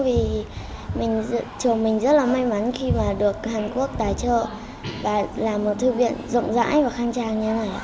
vì trường mình rất là may mắn khi mà được hàn quốc tài trợ và làm một thư viện rộng rãi và khang trang như thế này